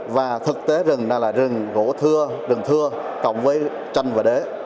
và thực tế rừng này là rừng gỗ thưa rừng thưa cộng với tranh và đế